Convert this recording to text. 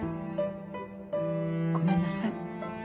ごめんなさい。